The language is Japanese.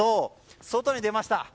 外に出ました。